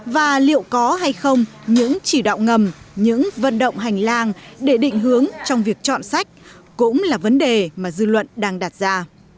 và liệu có hay không những chỉ đạo ngầm những vận động hành lang để định hướng trong việc chọn sách cũng là vấn đề mà dư luận đang đặt ra